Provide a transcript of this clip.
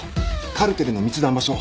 カルテルの密談場所。